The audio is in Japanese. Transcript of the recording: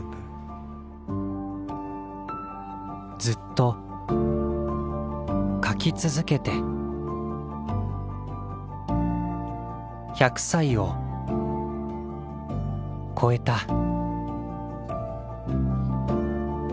ずっと描き続けて１００歳を超えた